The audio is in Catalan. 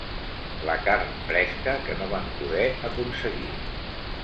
La carn fresca que no van poder aconseguir.